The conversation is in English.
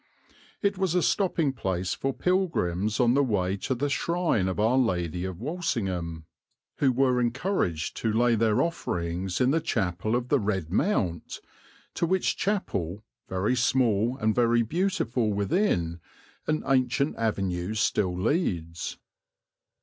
It was a stopping place for pilgrims on the way to the shrine of our Lady of Walsingham, who were encouraged to lay their offerings in the Chapel of the Red Mount, to which chapel, very small and very beautiful within, an ancient avenue still leads.